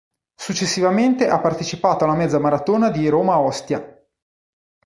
Successivamente ha partecipato alla mezza maratona di Roma-Ostia.